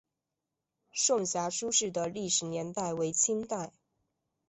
颂遐书室的历史年代为清代。